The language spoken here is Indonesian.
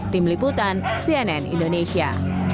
tim liputan cnn indonesia